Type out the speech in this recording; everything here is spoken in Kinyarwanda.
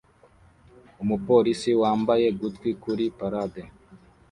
Umupolisi wambaye gutwi kuri parade